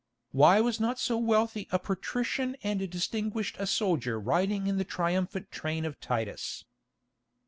Why was not so wealthy a Patrician and distinguished a soldier riding in the triumphant train of Titus?